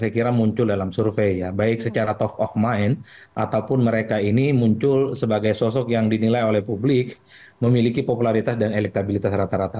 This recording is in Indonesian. saya kira muncul dalam survei ya baik secara top of mind ataupun mereka ini muncul sebagai sosok yang dinilai oleh publik memiliki popularitas dan elektabilitas rata rata